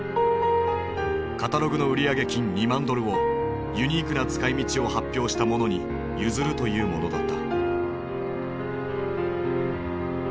カタログの売上金２万ドルをユニークな使いみちを発表した者に譲るというものだった。